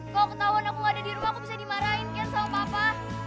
kok ketahuan aku gak ada di rumah aku bisa dimarahin ken sama papa